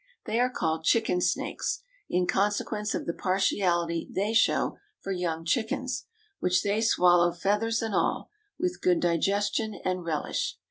They are called chicken snakes, in consequence of the partiality they show for young chickens, which they swallow, feathers and all, with good digestion and relish.